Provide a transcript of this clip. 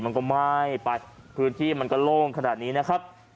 มันก็ไหม้ไปพื้นที่มันก็โล่งขนาดนี้นะครับ